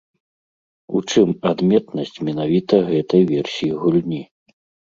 У чым адметнасць менавіта гэтай версіі гульні?